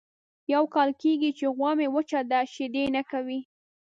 یو کال کېږي چې غوا مې وچه ده شیدې نه کوي.